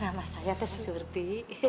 nama saya tuh surti